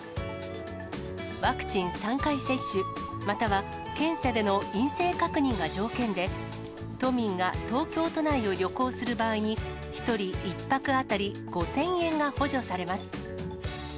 ワクチン３回接種、または検査での陰性確認が条件で、都民が東京都内を旅行する場合に、１人１泊当たり５０００円が補助されます。